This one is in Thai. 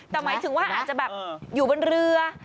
แต่หมายถึงว่าอาจจะแบบอยู่บนเรือ